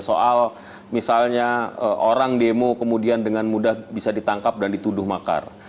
soal misalnya orang demo kemudian dengan mudah bisa ditangkap dan dituduh makar